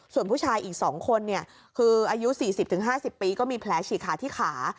ส่วนผู้ชายอีก๒คนคืออายุ๔๐๕๐ปีก็มีแผลฉีกขาที่ขา